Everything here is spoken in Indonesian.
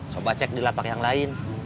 coba cek di lapak yang lain